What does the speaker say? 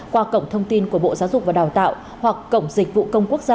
qua cổng thông tin của bộ giáo dục và đào tạo hoặc cổng dịch vụ công quốc gia